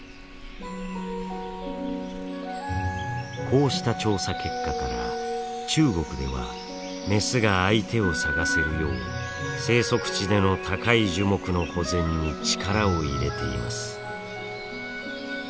こうした調査結果から中国ではメスが相手を探せるよう生息地での高い樹木の保全に力を入れています。